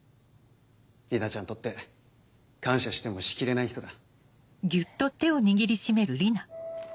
莉奈ちゃんにとって感謝してもしきれない人だ。